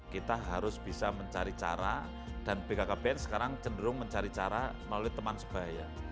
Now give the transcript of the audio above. kita harus bisa mencari cara dan bkkbn sekarang cenderung mencari cara melalui teman sebaya